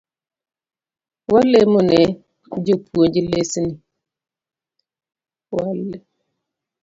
Walemone jopuonj lesni